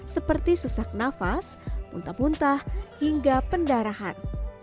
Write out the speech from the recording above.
seperti sesak nafas muntah muntah hingga pendarahan